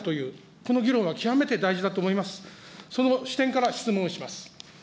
その視点から質問します。